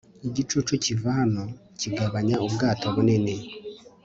igicucu kiva hano kigabanya ubwato bunini